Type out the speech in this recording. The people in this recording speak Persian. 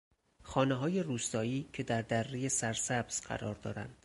خانههای روستایی که در درهی سرسبز قرار دارند